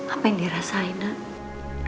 apa yang dirasain nay